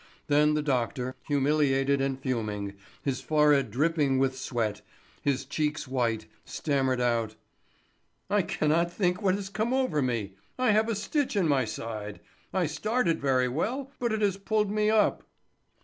Then the doctor, humiliated and fuming, his forehead dropping with sweat, his cheeks white, stammered out: "I cannot think what has come over me; I have a stitch in my side. I started very well, but it has pulled me up."